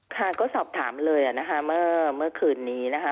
ค่ะก็สอบถามเลยนะคะเมื่อคืนนี้นะคะ